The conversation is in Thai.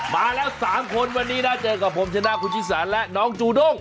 มาแล้ว๓คนวันนี้นะเจอกับผมชนะคุณชิสาและน้องจูด้ง